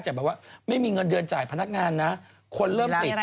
แต่แบบว่าไม่มีเงินเดือนจ่ายพนักงานนะคนเริ่มติด